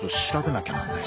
なきゃなんない